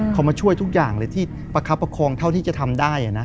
เขามาช่วยทุกอย่างเลยที่ประคับประคองเท่าที่จะทำได้นะ